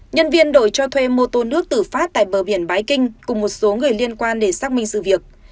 nhân viên đội cho thuê mô tô nước tử phát tại bờ biển bãi kinh cùng một số người liên quan để xác minh sự việc